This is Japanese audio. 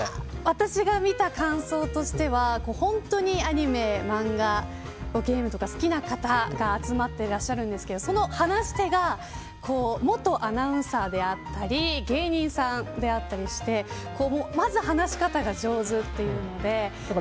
私が見た感想としてはほんとにアニメ、漫画ゲームとか好きな方が集まっていらっしゃるんですけどその話し手が元アナウンサーだったり芸人さんであったりしてまず話し方が上手というので。